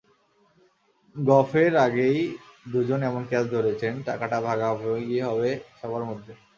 গফের আগেই দুজন এমন ক্যাচ ধরেছেন, টাকাটা ভাগাভাগি হবে সবার মধ্যে।